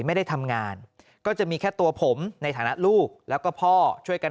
ไม่ได้ทำงานก็จะมีแค่ตัวผมในฐานะลูกแล้วก็พ่อช่วยกัน